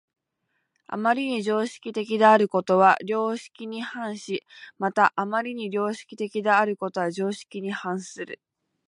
余りに常識的であることは良識に反し、また余りに良識的であることは常識に反する。